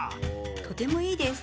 とてもいいです！